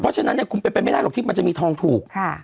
เพราะฉะนั้นเนี่ยคุณเป็นไปไม่ได้หรอกที่มันจะมีทองถูก